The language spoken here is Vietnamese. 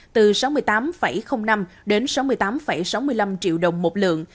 từ sáu mươi tám năm đến sáu mươi tám sáu mươi năm triệu đồng một lượng